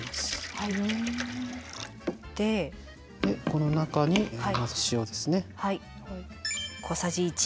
この中にまず塩ですね。